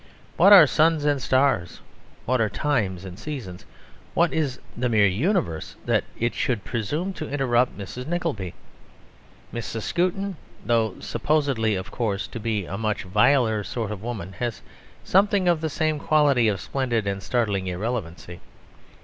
What are suns and stars, what are times and seasons, what is the mere universe, that it should presume to interrupt Mrs. Nickleby? Mrs. Skewton (though supposed, of course, to be a much viler sort of woman) has something of the same quality of splendid and startling irrelevancy.